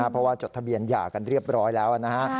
เพราะว่าจดทะเบียนหย่ากันเรียบร้อยแล้วนะฮะ